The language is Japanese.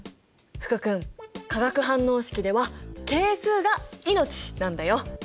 福君化学反応式では係数が命なんだよ！